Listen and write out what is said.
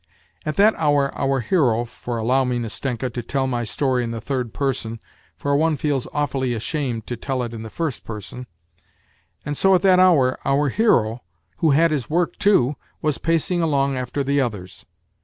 At that hour our hero for allow me, Nastenka, to^te U my story in the third person, for one feels awfully ashamed to tell it in the first person and so at that hour our hero, who had his work too, was pacing along after the others.